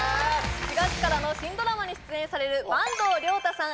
４月からの新ドラマに出演される坂東龍汰さん